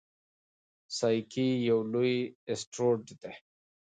سایکي یو لوی اسټروېډ دی.